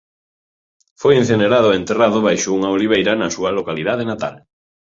Foi incinerado e enterrado baixo unha oliveira na súa localidade natal.